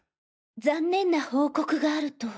残念な報告があると。